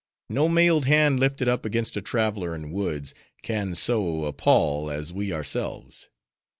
No mailed hand lifted up against a traveler in woods, can so, appall, as we ourselves.